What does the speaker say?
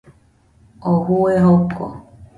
Oo fue joko